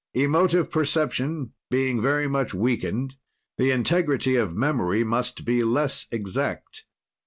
"Emotive perception being very much weakened, the integrity of memory must be less exact.